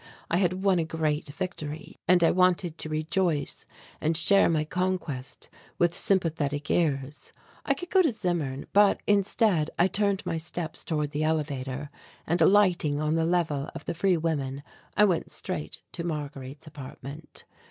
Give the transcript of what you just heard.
I had won a great victory, and I wanted to rejoice and share my conquest with sympathetic ears. I could go to Zimmern, but instead I turned my steps toward the elevator and, alighting on the Level of the Free Women, I went straightway to Marguerite's apartment.